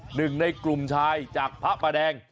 หนึ่งในกลุ่มชายจากพระประแดง